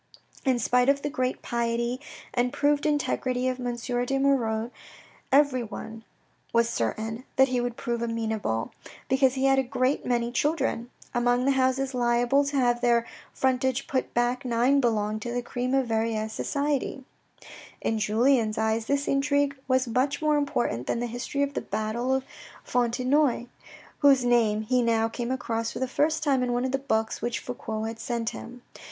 In spite of the great piety and proved integrity of M. de Moirod, everyone was certain that he would prove amenable, because he had a great many children. Among the houses liable to have their frontage put back nine belonged to the cream of Verrieres society. In Julien's eyes this intrigue was much more important than the history of the battle of Fontenoy, whose name he now came across for the first time in one of the books which Fouque had sent him.